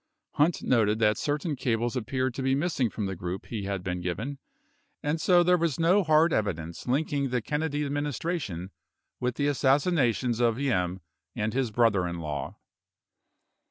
Hunt noted that certain cables appeared to be missing from the group he had been given, and so there was no hard evidence linking the Kennedy admin istration with the assassinations of Diem and his brother in law.